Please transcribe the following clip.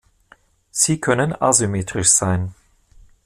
Sie können asymmetrisch sein.